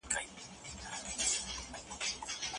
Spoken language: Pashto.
احمد شاه بابا کوم زوی د خپل ځای ناستي په توګه وټاکه؟